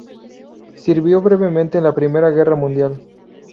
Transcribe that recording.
Sirvió brevemente en la Primera Guerra Mundial.